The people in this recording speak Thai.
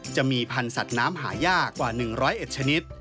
จะมีพันธุ์สัตว์น้ำหายากกว่า๑๐๑ชนิด